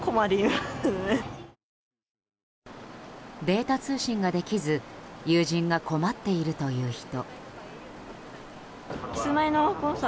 データ通信ができず友人が困っているという人。